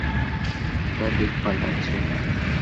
এটা দিক পাল্টাচ্ছে!